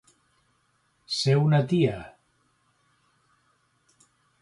Ser una tia.